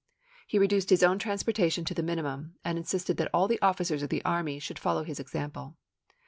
He re duced his own transportation to the minimum, and insisted that all the officers of the army should follow his example.